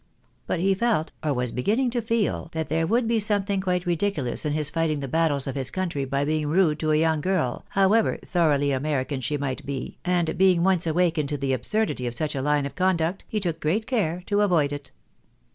But he lelt, or was beginning to feel, that there would be something quite ridicu lous in his fighting the battles of his country by being rude to a young girl, however " thoroughly American " she might be, and being once awakened to the absurdity of such a hne of conduct, he took great care to avoid it.